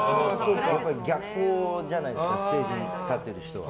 逆光じゃないですかステージに立ってる人は。